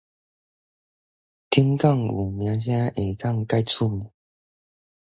上港有名聲，下港蓋出名